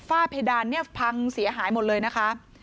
ฝ้าเพดานพังเสียหายหมดเลยนะคะ